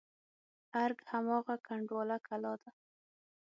ارګ هماغه کنډواله کلا ده.